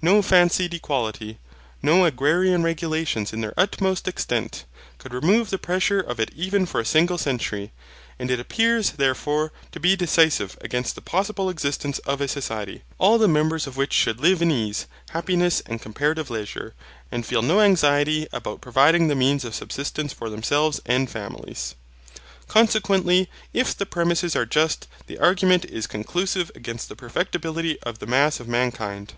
No fancied equality, no agrarian regulations in their utmost extent, could remove the pressure of it even for a single century. And it appears, therefore, to be decisive against the possible existence of a society, all the members of which should live in ease, happiness, and comparative leisure; and feel no anxiety about providing the means of subsistence for themselves and families. Consequently, if the premises are just, the argument is conclusive against the perfectibility of the mass of mankind.